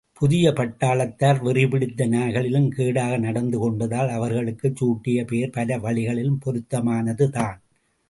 புதிய பட்டாளத்தார் வெறிபிடித்த நாய்களிலும் கேடாக நடந்து கொண்டதால், அவர்களுக்கச் சூட்டிய பெயர் பல வழிகளிலும் பொருத்தமானதுதான்!